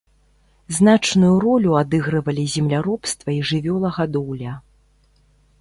Значную ролю адыгрывалі земляробства і жывёлагадоўля.